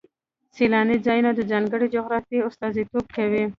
سیلاني ځایونه د ځانګړې جغرافیې استازیتوب کوي.